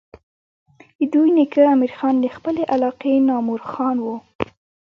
د دوي نيکه امير خان د خپلې علاقې نامور خان وو